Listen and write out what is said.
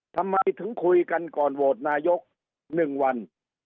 ทำไมถึงคุยกันก่อนโหวตนายก๑วัน